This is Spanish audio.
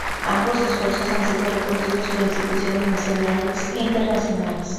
Ambos esfuerzos han sido reconocidos por instituciones nacionales e internacionales.